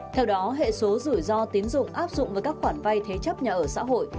theo đó hệ số rủi ro tiến dụng áp dụng với các khoản vay thế chấp nhà ở xã hội